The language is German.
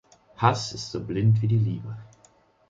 Hass ist so blind wie die Liebe.